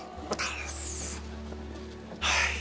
はい。